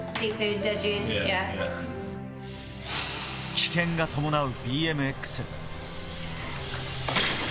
危険が伴うＢＭＸ。